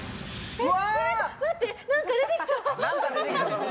えっ！？